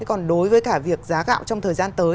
còn đối với cả việc giá gạo trong thời gian tới